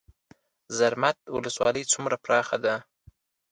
زرمت ولسوالۍ څومره پراخه ده؟